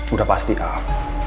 udah pasti al